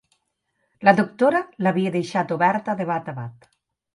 La doctora l'havia deixat oberta de bat a bat.